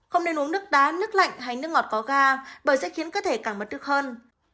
không nên uống nước đá nước lạnh hay nước ngọt có ga bởi sẽ khiến cơ thể càng mất nước hơn